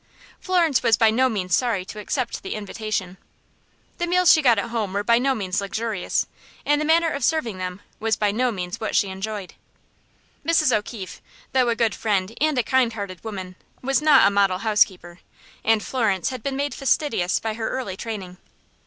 Florence was by no means sorry to accept the invitation. The meals she got at home were by no means luxurious, and the manner of serving them was by no means what she enjoyed. Mrs. O'Keefe, though a good friend and a kindhearted woman, was not a model housekeeper, and Florence had been made fastidious by her early training.